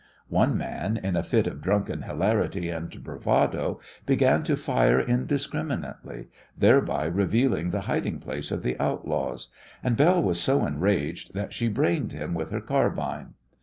One man, in a fit of drunken hilarity and bravado, began to fire indiscriminately, thereby revealing the hiding place of the outlaws, and Belle was so enraged that she brained him with her carbine.